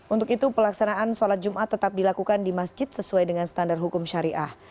untuk itu pelaksanaan sholat jumat tetap dilakukan di masjid sesuai dengan standar hukum syariah